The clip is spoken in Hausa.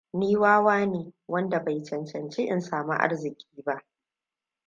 Ni wawa ne wanda bai cancanci in samu arziki ba.